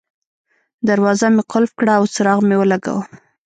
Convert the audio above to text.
دروازه مې قلف کړه او څراغ مې ولګاوه.